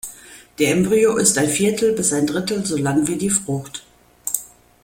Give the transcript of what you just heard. Der Embryo ist ein Viertel bis ein Drittel so lang wie die Frucht.